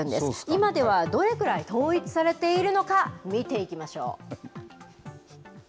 今ではどれぐらい統一されているのか、見ていきましょう。